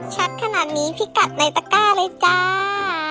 ขนาดนี้พี่กัดในตะก้าเลยจ้า